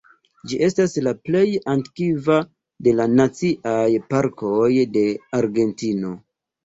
Ĝi estas la plej antikva de la Naciaj Parkoj de Argentino.